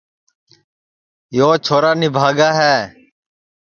یو چھورا نِبھاگا ہے